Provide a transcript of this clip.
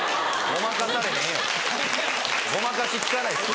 ごまかし利かないです。